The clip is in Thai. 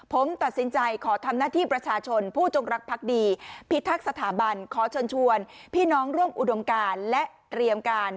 ผมตัดสินใจขอทำหน้าที่ประชาชนผู้จงรักพักดีพิทักษ์สถาบันขอเชิญชวนพี่น้องร่วมอุดมการและเตรียมการ